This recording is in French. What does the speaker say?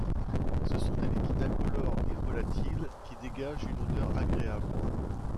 Ce sont des liquides incolores et volatils qui dégagent une odeur agréable.